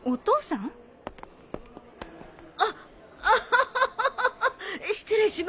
あっ！